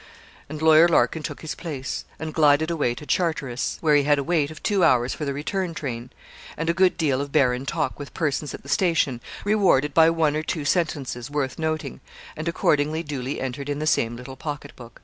and Lawyer Larkin took his place, and glided away to Charteris, where he had a wait of two hours for the return train, and a good deal of barren talk with persons at the station, rewarded by one or two sentences worth noting, and accordingly duly entered in the same little pocket book.